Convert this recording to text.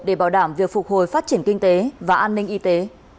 để bảo đảm việc phục hồi phát triển kinh tế và an ninh y tế